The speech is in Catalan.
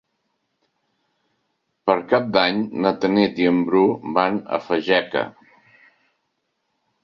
Per Cap d'Any na Tanit i en Bru van a Fageca.